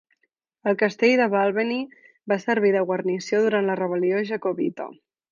El castell de Balvenie va servir de guarnició durant la rebel·lió jacobita.